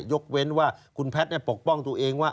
ยกเว้นว่าคุณแพทย์ปกป้องตัวเองว่า